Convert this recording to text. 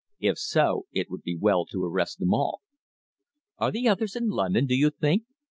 "If so, it would be well to arrest them all." "Are the others in London, do you think?"